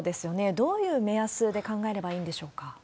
どういう目安で考えればいいんでしょうか？